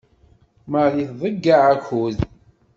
Marie tḍeyyeɛ akud.